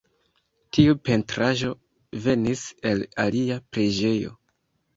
Tiu pentraĵo venis el alia preĝejo.